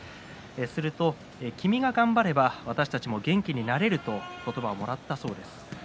すると、君が頑張れば私たちも元気になれるという言葉をもらったそうです。